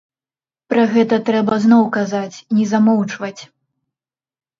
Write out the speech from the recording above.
Пра гэта трэба зноў казаць, не замоўчваць.